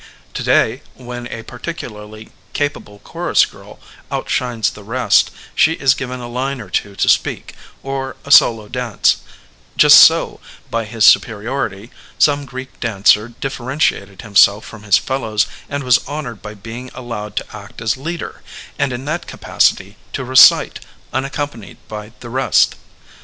To day, when a particularly capable chorus girl out shines the rest, she is given a line or two to speak or a solo dance; just so, by his superiority, some Oreek dancer differentiated himself from his fellows and was honored by being allowed to act as leader, and in that capacity to recite, unaccompanied by the rest.